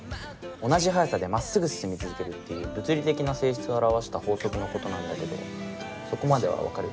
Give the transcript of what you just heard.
同じ速さでまっすぐ進み続けるっていう物理的な性質を表した法則のことなんだけどそこまでは分かる？